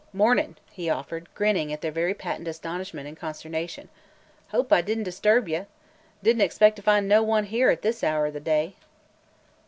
"Mornin'!" he offered, grinning at their very patent astonishment and consternation. "Hope I did n't disturb you! Did n't expect to find no one here this hour of the day."